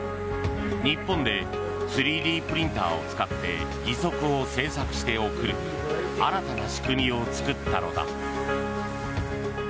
日本で３Ｄプリンターを使って義足を製作して送る新たな仕組みを作ったのだ。